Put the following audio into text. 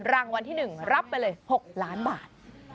รางวัลที่๑รับไปเลย๖ล้านบาท